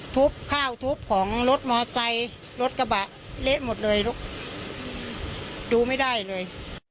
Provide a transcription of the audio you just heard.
ทุบข้าวทุบของรถมอไซค์รถกระบะเละหมดเลยลูกดูไม่ได้เลย